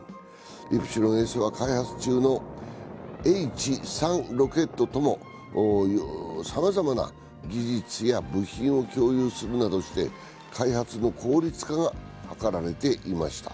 「イプシロンＳ」は開発中のＨ３ロケットともさまざまな技術や部品を共有するなどして界初の効率化が図られていました。